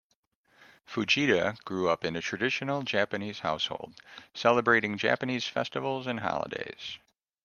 Fujita grew up in a traditional Japanese household, celebrating Japanese festivals and holidays.